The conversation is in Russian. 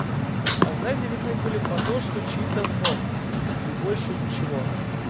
А сзади видны были подошвы чьих-то ног — и больше ничего.